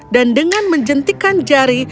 dan dengan menjentikan jari